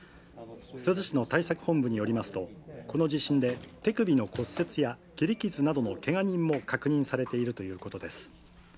珠洲市の対策本部によりますと、この地震で手首の骨折や切り傷などのけが人も確認されているということです。